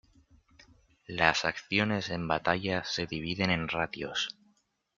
Las acciones en batalla se dividen en ratios.